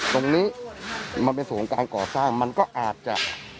ตรงนี้มันเป็นศูนย์การก่อสร้างมันก็อาจจะ